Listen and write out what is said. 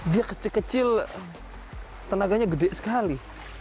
dia kecil kecil tenaganya gede sekali